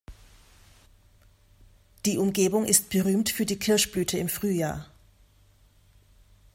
Die Umgebung ist berühmt für die Kirschblüte im Frühjahr.